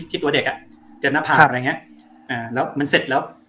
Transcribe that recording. ตัวเด็กอ่ะเจอหน้าผากอะไรอย่างเงี้ยอ่าแล้วมันเสร็จแล้ว